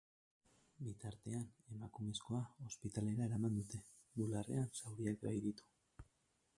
Bitartean, emakumezkoa ospitalera eraman dute, bularrean zauriak baititu.